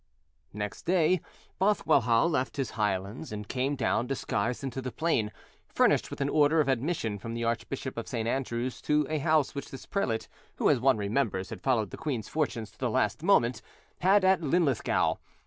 Next day, Bothwellhaugh left his highlands, and came down, disguised, into the plain, furnished with an order of admission from the Archbishop of St. Andrews to a house which this prelate—who, as one remembers, had followed the queen's fortunes to the last moment—had at Linlithgow.